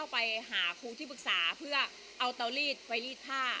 ไปหาครูที่ปรึกษาเพื่อเอาเตารีดไปรีดผ้า